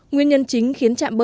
nguyên nhân chính khiến trạm biến ốp